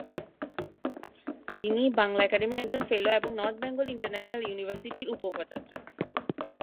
তিনি বাংলা একাডেমির একজন ফেলো এবং নর্থ বেঙ্গল ইন্টারন্যাশনাল ইউনিভার্সিটি উপ-উপাচার্য।